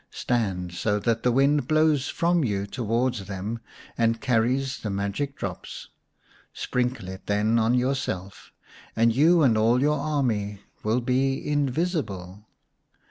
Stand so that the wind blows from you towards them and carries the magic drops. Sprinkle it then on yourself, and you and all your army will be invisible.